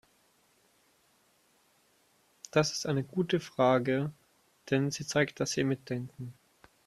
Das ist eine gute Frage, denn sie zeigt, dass Sie mitdenken.